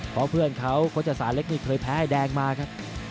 เพราะเพื่อนเขาโฆษศาสเล็กนี่เคยแพ้ไอ้แดงมาครับ